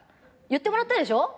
言ってもらったんでしょ？